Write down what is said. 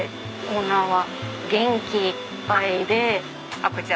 オーナーは元気いっぱいで。